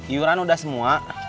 yuran udah semua